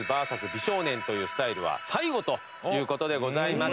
美少年というスタイルは最後という事でございます。